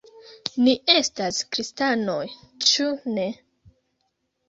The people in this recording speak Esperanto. Ni estas kristanoj, ĉu ne?